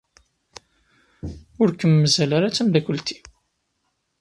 Ur kem-mazal ara d tameddakelt-iw.